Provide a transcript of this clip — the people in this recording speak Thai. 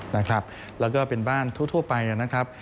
แล้วก็เป็นบ้านทั่วไปนะครับ